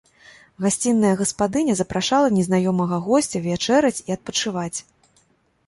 Гасцінная гаспадыня запрашала незнаёмага госця вячэраць і адпачываць.